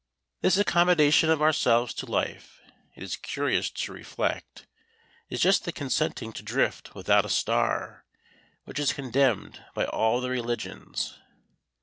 This accommodation of ourselves to life, it is curious to reflect, is just the consenting to drift without a star which is condemned by all the religions.